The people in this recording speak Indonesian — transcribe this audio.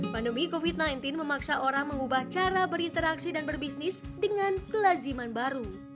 pandemi covid sembilan belas memaksa orang mengubah cara berinteraksi dan berbisnis dengan kelaziman baru